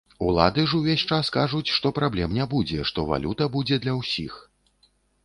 Улады ж увесь час кажуць, што праблем не будзе, што валюта будзе для усіх.